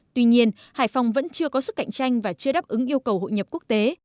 tuy nhiên hải phòng vẫn chưa có sức cạnh tranh và chưa đáp ứng yêu cầu hội nhập quốc tế